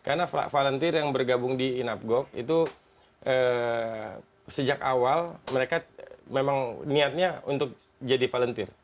karena volunteer yang bergabung di inapgog itu sejak awal mereka memang niatnya untuk jadi volunteer